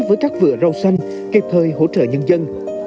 với các vựa rau xanh kịp thời hỗ trợ nhân dân